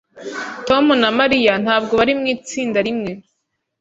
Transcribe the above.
Tom na Mariya ntabwo bari mu itsinda rimwe.